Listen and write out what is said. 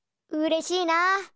うれしいな。